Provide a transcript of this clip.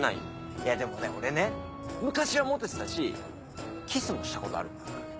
いやでもね俺ね昔はモテてたしキスもしたことあるんだから。